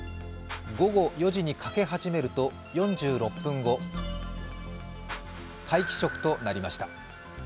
午後４時に欠け始めると４６分後、皆既食となりました。